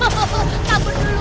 hahaha kabur duluan